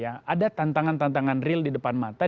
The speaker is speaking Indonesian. ada tantangan tantangan real di depan mata